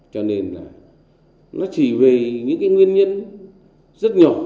cho nên là nó chỉ về những cái nguyên nhân rất nhiều